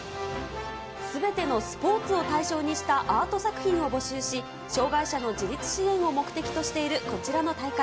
すべてのスポーツを対象にしたアート作品を募集し、障がい者の自立支援を目的としているこちらの大会。